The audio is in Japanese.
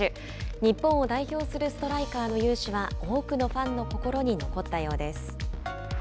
日本を代表するストライカーの雄姿は多くのファンの心に残ったようです。